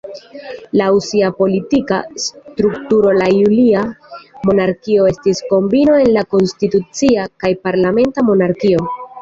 Laŭ sia politika strukturo la julia monarkio estis kombino el konstitucia kaj parlamenta monarkioj.